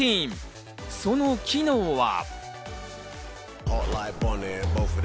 その機能は？